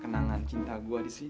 kenangan cinta gua disini